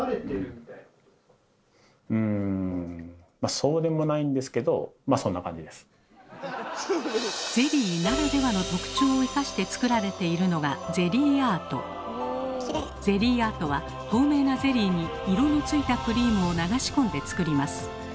そうでもないんですけどゼリーならではの特徴を生かして作られているのがゼリーアートは透明なゼリーに色のついたクリームを流し込んで作ります。